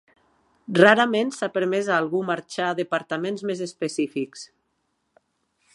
Rarament s'ha permès a algú marxar a departaments més específics.